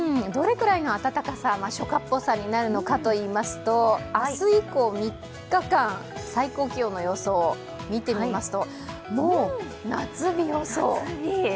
どれくらいの暖かさ、初夏っぽさになるのかといいますと明日以降３日間、最高気温の予想を見てみますと、もう夏日予想。